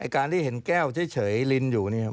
การที่เห็นแก้วเฉยลินอยู่เนี่ย